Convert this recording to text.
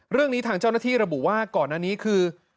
เรื่องนี้ทางเจ้าหน้าที่ระบุว่าก่อนอันนี้คือ